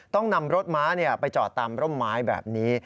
ต้องนำรถม้าไปจอดตามร่มไม้แบบนี้